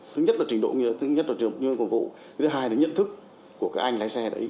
thứ nhất là trình độ thứ hai là nhận thức của các anh lái xe đấy